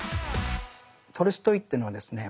トルストイというのはですね